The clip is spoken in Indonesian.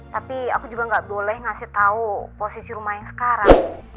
tapi aku juga gak boleh ngasih tahu posisi rumah yang sekarang